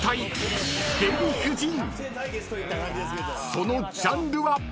［そのジャンルは？］